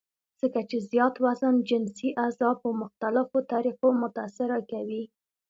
ځکه چې زيات وزن جنسي اعضاء پۀ مختلفوطريقو متاثره کوي -